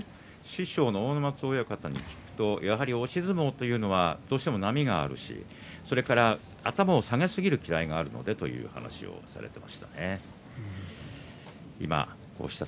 師匠の阿武松親方によると押し相撲はどうしても波があるし頭を下げすぎるきらいがあるのでという話をしていました。